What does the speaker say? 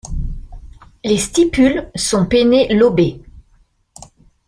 Les stipules sont pennées-lobées.